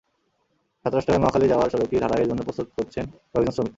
সাতরাস্তা হয়ে মহাখালী যাওয়ার সড়কটি ঢালাইয়ের জন্য প্রস্তুত করছেন কয়েকজন শ্রমিক।